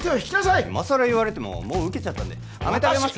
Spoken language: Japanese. いまさら言われてももう受けちゃったんでアメ食べます？